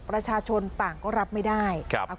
ประชาชนต่างก็รับไม่ได้